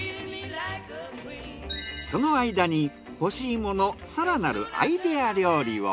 その間に干し芋の更なるアイデア料理を。